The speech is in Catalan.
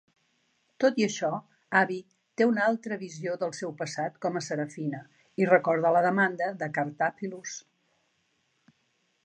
Tot i això, Abby té una altra visió del seu passat com a Seraphia i recorda la demanda de Cartaphilus.